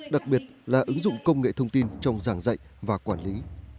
đặc biệt là ứng dụng công nghệ thông tin trong giảng dạy và quản lý